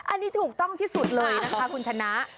อันนี้ถูกต้องที่สุดเลยนะคะคุณชนะ